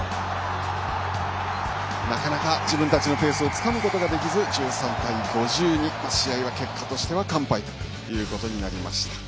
なかなか自分たちのペースをつかむことができず１３対５２と試合は結果としては完敗ということになりました。